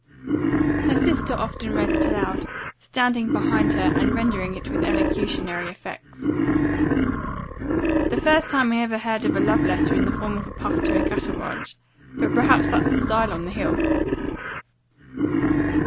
Her sister often read it aloud, standing behind her and rendering it with elocutionary effects. "The first time I ever heard of a love letter in the form of a puff to a cattle ranch. But perhaps that's the style on the Hill."